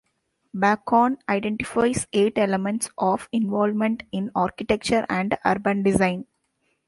Bacon identifies eight elements of 'Involvement' in Architecture and Urban Design.